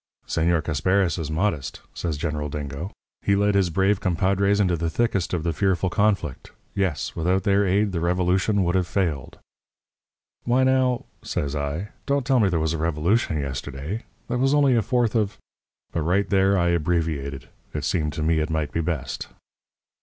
"'Señor Casparis is modest,' says General Dingo. 'He led his brave compadres into the thickest of the fearful conflict. Yes. Without their aid the revolution would have failed.' "'Why, now,' says I, 'don't tell me there was a revolution yesterday. That was only a Fourth of ' "But right there I abbreviated. It seemed to me it might be best.